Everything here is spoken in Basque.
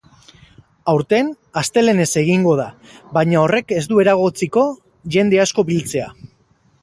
Aurten astelehenez egingo da, baina horrek ez du eragotziko jende asko biltzea.